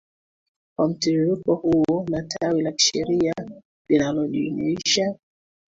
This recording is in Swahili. kwa mtiririko huo na tawi la kisheria linalojumuisha